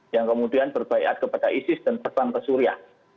yang kemudian berbaikat kepada isis dan terbang ke suriah